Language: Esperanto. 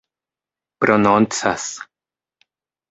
prononcas